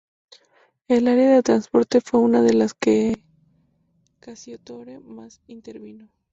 El área del transporte fue una de las que Cacciatore más intervino.